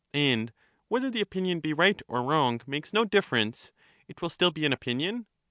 And whether the opinion be right or wrong, makes real. no difference ; it will still be an opinion